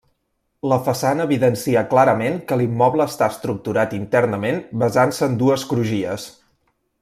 La façana evidencia clarament que l'immoble està estructurat internament basant-se en dues crugies.